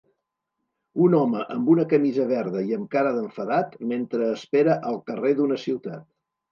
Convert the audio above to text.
Un home amb una camisa verda i amb cara d'enfadat mentre espera al carrer d'una ciutat